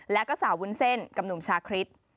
แล้วก็สาววุ้นเส้นกับหนุ่มชาคริส